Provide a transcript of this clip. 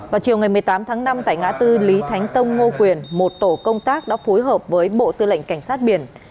vào chiều ngày một mươi tám tháng năm tại ngã tư lý thánh tông ngô quyền một tổ công tác đã phối hợp với bộ tư lệnh cảnh sát biển